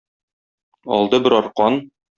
Алды бер аркан.